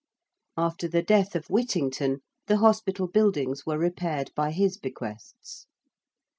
After the death of Whittington, the hospital buildings were repaired by his bequests.